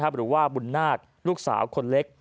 หรือว่าบุญนาฏลูกสาวคนเล็ก